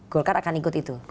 golkar akan ikut itu